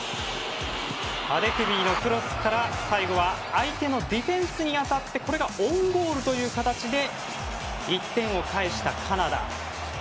アデクービから最後は相手のディフェンスに当たってオウンゴールという形で１点を返したカナダ。